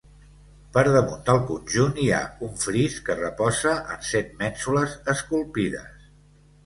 Per damunt del conjunt hi ha un fris que reposa en set mènsules esculpides.